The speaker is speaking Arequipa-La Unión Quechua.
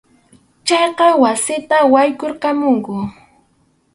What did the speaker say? Chayqa wasita yaykurqamunku.